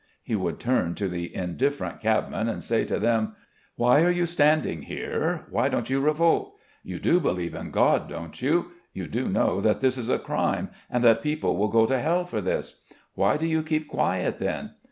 He would turn to the indifferent cabmen and say to them: "Why are you standing here? Why don't you revolt? You do believe in God, don't you? And you do know that this is a crime, and that people will go to Hell for this? Why do you keep quiet, then?